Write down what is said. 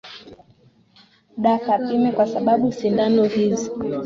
da kapime kwa sababu sindano hizi